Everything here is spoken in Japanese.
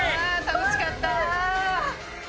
楽しかった！